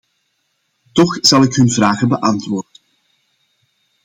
Toch zal ik hun vragen beantwoorden.